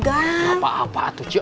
gak apa apa tuh ce